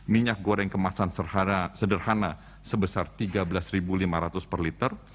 minyak goreng kemasan sederhana sebesar rp tiga belas lima ratus per liter